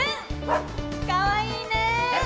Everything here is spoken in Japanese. かわいいね。